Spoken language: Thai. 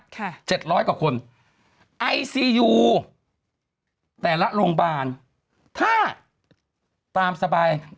เจ็ดร้อยกว่าคนไอซียูแต่ละโรงพยาบาลถ้าตามสบาย